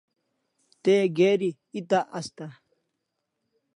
Te geri eta asta